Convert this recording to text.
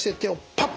パッ。